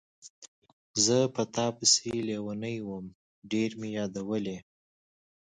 زه په تا پسې لیونی وم، ډېر مې یادولې.